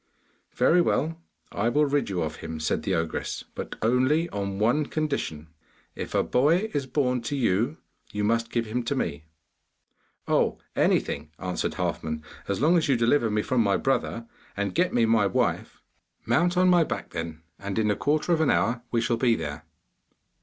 'Very well, I will rid you of him,' said the ogress, 'but only on one condition. If a boy is born to you, you must give him to me!' 'Oh, anything,' answered Halfman, 'as long as you deliver me from my brother, and get me my wife.' 'Mount on my back, then, and in a quarter of an hour we shall be there.